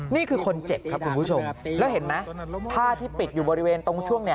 นี่คือคนเจ็บครับคุณผู้ชมแล้วเห็นไหมผ้าที่ปิดอยู่บริเวณตรงช่วงเนี่ย